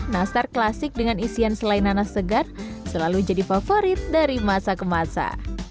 nastar klasik dengan isian selain nanas segar selalu jadi favorit dari masa ke masa